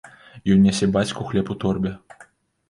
Ён нясе бацьку хлеб у торбе.